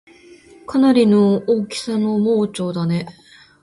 かなりの大きさの盲腸だねぇ